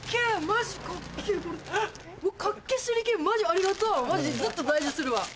マジずっと大事にするわ。